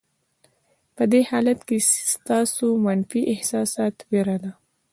په دې حالت کې ستاسې منفي احساسات وېره ده.